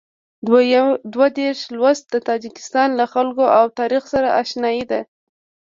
دوه دېرشم لوست د تاجکستان له خلکو او تاریخ سره اشنايي ده.